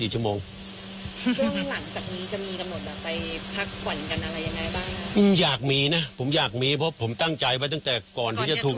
หลังจากนี้จะมีกันหมดไปพักฝันกันอะไรยังไงบ้างอยากมีนะผมอยากมีพบผมตั้งใจว่าตั้งแต่ก่อนที่จะถูก